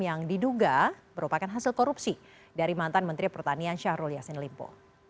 yang diduga merupakan hasil korupsi dari mantan menteri pertanian syahrul yassin limpo